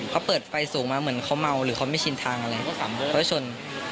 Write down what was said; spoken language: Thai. เขาเปิดไฟสูงมาเหมือนเขาเมาหรือเขาไม่ชินทางอะไรเขาก็ชน